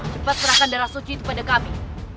cepat serahkan darah suci itu pada kami